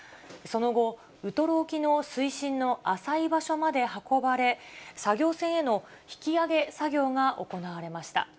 その後、ウトロ沖の水深の浅い場所まで運ばれ、作業船への引き揚げ作業が行われました。